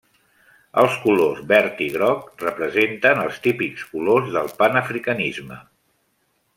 Els colors verd i groc representen els típics colors del panafricanisme.